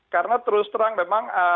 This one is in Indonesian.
karena terus terang memang